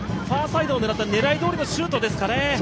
ファーサイドを狙った狙いどおりのシュートでしたか？